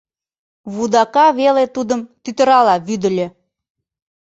Вудака веле тудым тӱтырала вӱдыльӧ.